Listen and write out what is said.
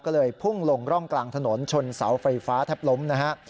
ก็เลยพุ่งลงร่องกลางถนนชนเสาไฟฟ้าแทบล้มนะฮะ